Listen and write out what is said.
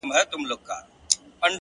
خاموش عمل تر شعار قوي دی.!